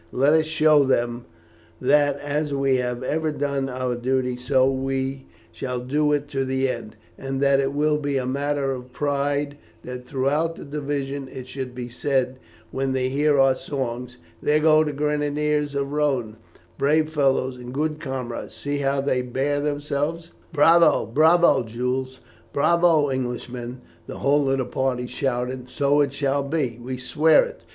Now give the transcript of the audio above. Let us show them that, as we have ever done our duty, so we shall do it to the end, and that it will be a matter of pride that throughout the division it should be said, when they hear our songs, 'There go the Grenadiers of the Rhone, brave fellows and good comrades; see how they bear themselves.'" "Bravo, bravo, Jules! bravo, Englishman!" the whole of the party shouted. "So it shall be, we swear it.